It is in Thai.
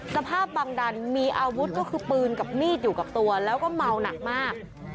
สภาพบังดันมีอาวุธก็คือปืนกับมีดอยู่กับตัวแล้วก็เมาหนักมาก